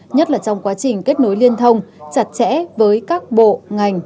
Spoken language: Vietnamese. nhất là trong quá trình kết nối liên thông chặt chẽ với các bộ ngành về dữ liệu